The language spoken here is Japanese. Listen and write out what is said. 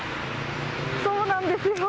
そうなんですよ。